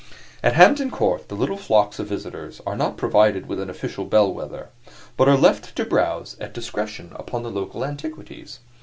At Hampton Court the little flocks of visitors are not provided with an official bellwether, but are left to browse at discretion upon the local antiquities.